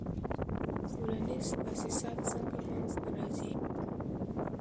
ټولنیز تاسیسات څنګه منځ ته راځي؟